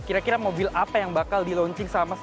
kira kira mobil apa yang bakal dilaunching sama suzuki